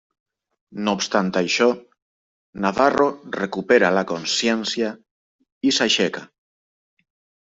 No obstant això, Navarro recupera la consciència i s'aixeca.